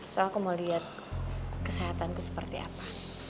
soal aku mau lihat kesehatanku seperti apa